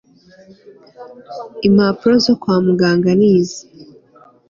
impapuro zo kwamuganga nizi